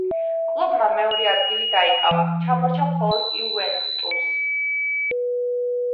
კლუბმა მეორე ადგილი დაიკავა, ჩამორჩა მხოლოდ იუვენტუსს.